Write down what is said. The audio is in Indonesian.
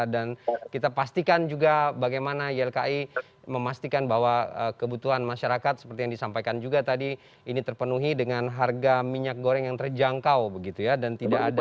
dan kita pastikan juga bagaimana ylki memastikan bahwa kebutuhan masyarakat seperti yang disampaikan juga tadi ini terpenuhi dengan harga minyak goreng yang terjangkau begitu ya dan tidak ada